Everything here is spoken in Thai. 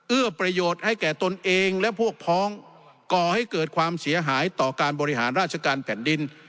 เอื้อประโยชน์ให้แก่ตนเองและพวกพ้องก่อให้เกิดความเสียหายต่อการบริหารราชการแผ่นดิน